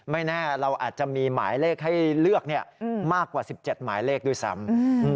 ไม่แน่เราอาจจะมีหมายเลขให้เลือกมากกว่า๑๗หมายเลขด้วยซ้ำ